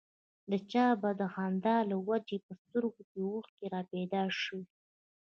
د چا به د خندا له وجې په سترګو کې اوښکې را پيدا شوې.